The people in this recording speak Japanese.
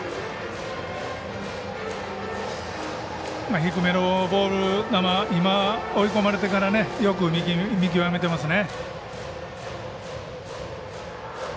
低めのボール球、今追い込まれてからよく見極めていますね。